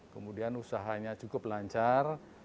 kemudian usahanya cukup lancar